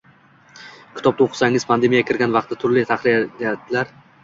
Kitobda o‘qisangiz pandemiya kirgan vaqtda turli tahririyatlar